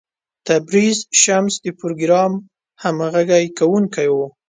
تبریز شمس د پروګرام همغږی کوونکی و.